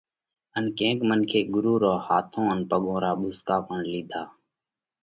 ان ڪينڪ منکي ڳرُو رون هاٿون ان پڳون را ٻُوسڪا پڻ لِيڌا۔